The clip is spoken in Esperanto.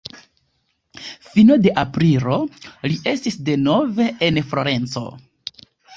Fino de aprilo li estis denove en Florenco.